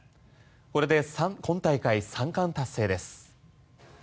これで今大会３冠達成です。